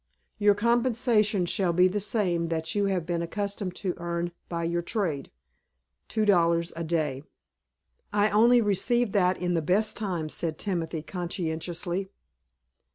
"Your compensation shall be the same that you have been accustomed to earn by your trade, two dollars a day." "I only received that in the best times," said Timothy, conscientiously.